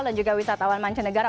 dan juga wisatawan mancanegara